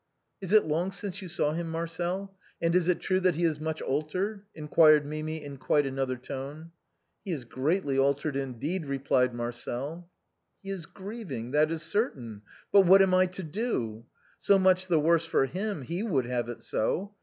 Is it long since you saw him. Marcel; and is it true that he is much altered ?" inquired Mimi in quite another tone. " He is greatly altered indeed," replied Marcel. " He is grieving, that is certain, but what am I to do? So much the worse for him, he would have it so.